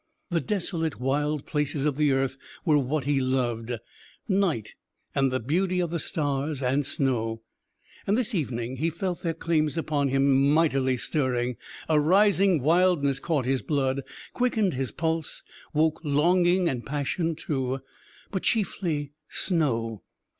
The desolate, wild places of the earth were what he loved; night, and the beauty of the stars and snow. And this evening he felt their claims upon him mightily stirring. A rising wildness caught his blood, quickened his pulse, woke longing and passion too. But chiefly snow.